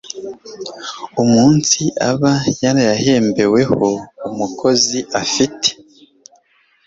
umunsi aba yarayahembeweho umukozi afite